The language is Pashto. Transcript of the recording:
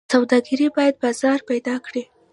سوداګر باید بازار پیدا کړي.